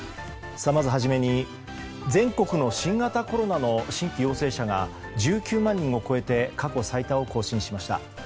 初めに、全国の新型コロナの新規陽性者が１９万人を超えて過去最多を更新しました。